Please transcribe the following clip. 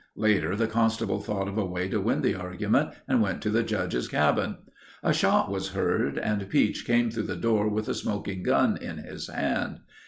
Later the constable thought of a way to win the argument and went to the Judge's cabin. A shot was heard and Pietsch came through the door with a smoking gun in his hand.